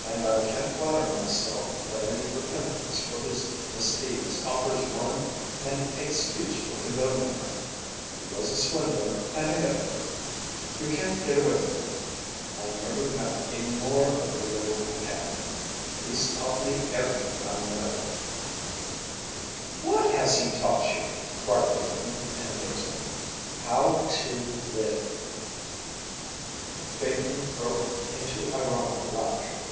"And I can't flatter myself that any repentance for his misdeeds offers one an excuse for condoning them. He was a swindler and a hypocrite. You can't get away from it. I never met a more agreeable companion. He's taught me everything I know." "What has he taught you?" cried Bateman in amazement. "How to live." Bateman broke into ironical laughter.